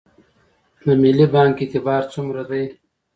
د ملي بانک اعتبار څومره دی؟